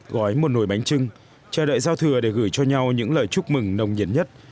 gói một nồi bánh trưng chờ đợi giao thừa để gửi cho nhau những lời chúc mừng nồng nhiệt nhất